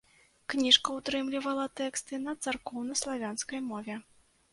Кніжка ўтрымлівала тэксты на царкоўнаславянскай мове.